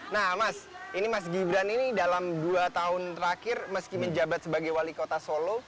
nah mas ini mas gibran ini dalam dua tahun terakhir meski menjabat sebagai wali kota solo